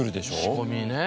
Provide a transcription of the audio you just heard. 仕込みね。